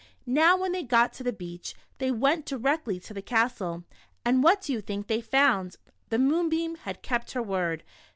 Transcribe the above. Now when they got to the beach, they went di rectly to the castle, and what do }ou think they found ? The moonbeam had kept her word.